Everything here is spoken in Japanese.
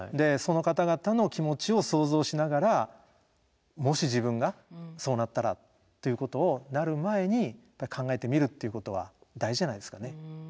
その方々の気持ちを想像しながらもし自分がそうなったらということをなる前に考えてみるっていうことは大事じゃないですかね。